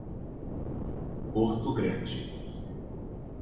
Porto Grande